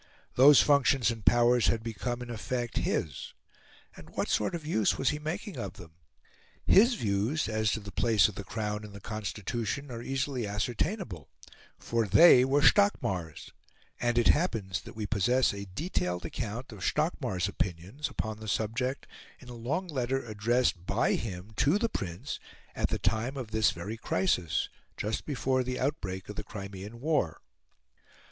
Those functions and powers had become, in effect, his; and what sort of use was he making of them? His views as to the place of the Crown in the Constitution are easily ascertainable; for they were Stockmar's; and it happens that we possess a detailed account of Stockmar's opinions upon the subject in a long letter addressed by him to the Prince at the time of this very crisis, just before the outbreak of the Crimean War.